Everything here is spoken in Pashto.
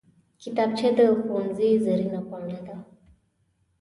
کتابچه د ښوونځي زرینه پاڼه ده